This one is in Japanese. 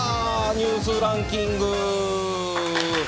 ニュースランキング！